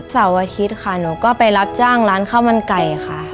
เสาร์อาทิตย์ค่ะหนูก็ไปรับจ้างร้านข้าวมันไก่ค่ะ